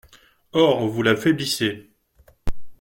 Or, vous l’affaiblissez.